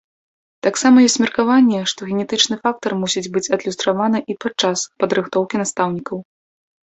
Таксама ёсць меркаванне, што генетычны фактар мусіць быць адлюстраваны і падчас падрыхтоўкі настаўнікаў.